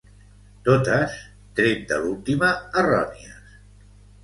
Totes, tret de l'última, errònies.